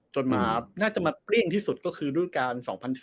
จนมาน่าจะมาเปรี้ยงที่สุดก็คือรูปการ๒๐๐๔๒๐๐๕